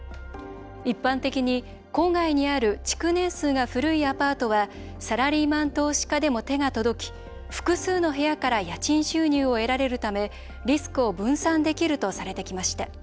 一般的に郊外にある築年数が古いアパートはサラリーマン投資家でも手が届き複数の部屋から家賃収入を得られるためリスクを分散できるとされてきました。